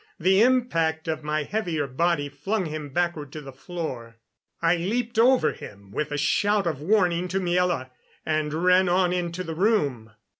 The impact of my heavier body flung him backward to the floor. I leaped over him with a shout of warning to Miela, and ran on into the room.